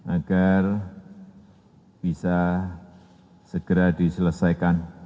agar bisa segera diselesaikan